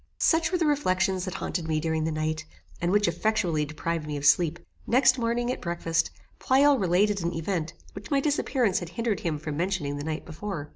Such were the reflections that haunted me during the night, and which effectually deprived me of sleep. Next morning, at breakfast, Pleyel related an event which my disappearance had hindered him from mentioning the night before.